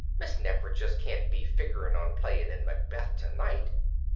Miss Nefer just can't be figuring on playing in Macbeth tonight.